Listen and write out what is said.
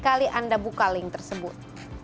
anda buka link tersebut